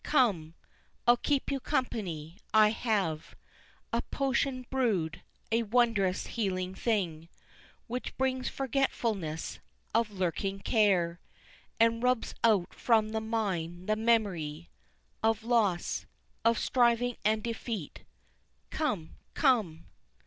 Come! I'll keep you company, I have A potion brewed, a wondrous healing thing, Which brings forgetfulness of lurking care, And rubs out from the mind the memory Of loss, of striving and defeat Come! Come!